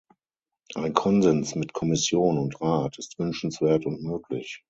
Ein Konsens mit Kommission und Rat ist wünschenswert und möglich.